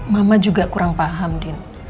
mama juga kurang paham din